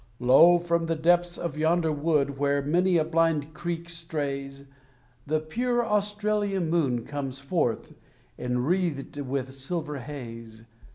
Lo, from the depths of yonder wood, where many a blind creek strays, The pure Australian moon comes forth, enwreathed with silver haze.